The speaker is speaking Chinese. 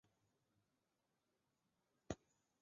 对土星卫星的研究也随着望远镜的进步而越来越方便。